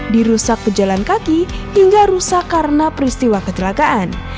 dirusak ke jalan kaki hingga rusak karena peristiwa kecelakaan